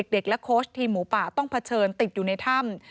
เด็กและโค้ชทีมหมูป่าต้องเผชิญติดอยู่ในถ้ำ